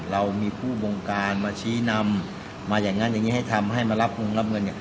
เรามีผู้บงกรมาเชี้ยงมาชี้นำมารับเงิน